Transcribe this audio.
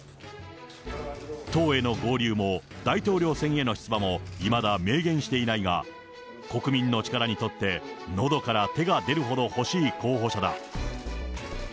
党への合流も、大統領選への出馬もいまだ明言していないが、国民の力にとって、のどから手が出るほど欲しい候補者だ。